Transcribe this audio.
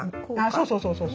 そうそうそうそう。